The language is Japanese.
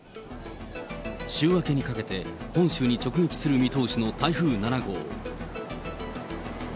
週明けにかけて、本州に直撃する見通しの台風７号。